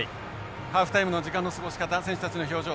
ハーフタイムの時間の過ごし方選手たちの表情